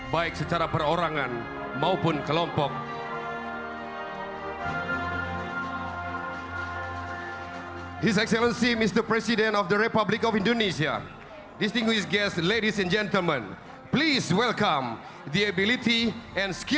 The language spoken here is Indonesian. baik secara perorangan maupun kelompok